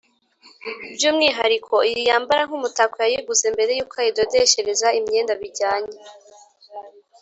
by’umwihariko iyi yambara nk’umutako yayiguze mbere y’uko ayidodeshereza imyenda bijyanye